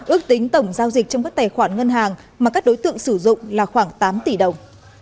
ước tính tổng giao dịch trong các tài khoản ngân hàng mà các đối tượng sử dụng là khoảng tám tỷ đồng